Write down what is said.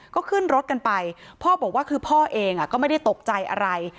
ก็ขึ้นรถกันไปพ่อบอกว่าคือพ่อเองก็ไม่ได้ตกใจอะไร